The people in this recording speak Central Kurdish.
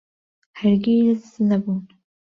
هەرگیز نەبوون.